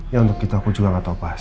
ya untuk itu aku juga gak tahu pak